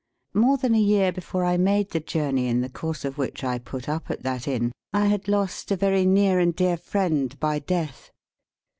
More than a year before I made the journey in the course of which I put up at that Inn, I had lost a very near and dear friend by death.